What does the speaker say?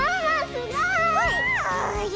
すごい！